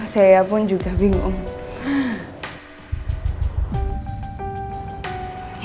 saya pun juga bingung